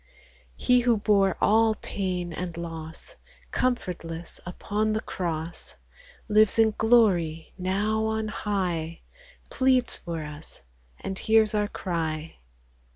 He who bore all pain and loss, Comfortless upon the cross, Lives in glory now on high, Pleads for us, and hears our cry.